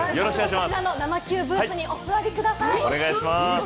こちらの生Ｑブースに座ってください。